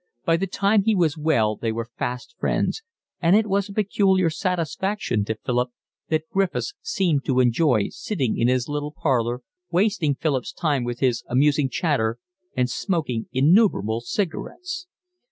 By the time he was well they were fast friends, and it was a peculiar satisfaction to Philip that Griffiths seemed to enjoy sitting in his little parlour, wasting Philip's time with his amusing chatter and smoking innumerable cigarettes.